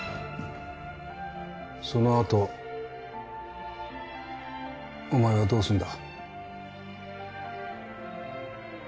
そのあとお前はどうすんだ？